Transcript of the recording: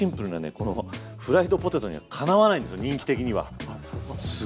このフライドポテトにはかなわないんですよ